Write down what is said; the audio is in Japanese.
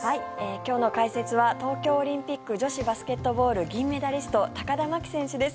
今日の解説は東京オリンピック女子バスケットボール銀メダリスト高田真希選手です。